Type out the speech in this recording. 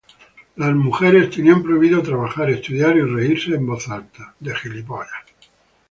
Las mujeres tenían prohibido trabajar, estudiar y reírse en voz alta.